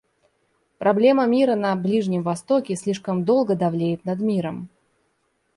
Проблема мира на Ближнем Востоке слишком долго довлеет над миром.